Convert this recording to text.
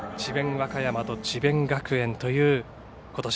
和歌山と智弁学園ということし